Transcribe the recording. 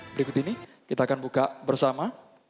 berikut ini kita akan buka bersama